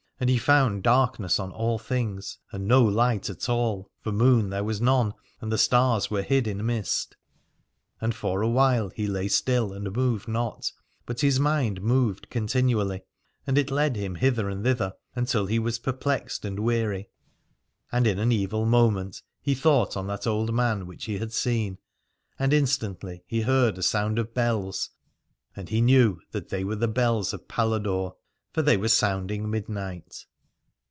And he found darkness on all things and no light at all, for moon there was none, and the stars were hid in mist. And for a while he lay still and moved not, but his mind moved continually, and it led him hither and thither until he was perplexed and weary. And in an evil moment he thought on that old man which he had seen : and instantly he heard a sound of bells, and he knew that they were the bells of Paladore, for they were sounding midnight.